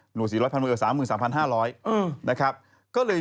หนัว๔๐๐๐๐๐บาทเป็น๓๓๕๐๐บาท